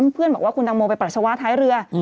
เพื่อนบอกว่าคุณตังโมไปปัสสาวะท้ายเรือ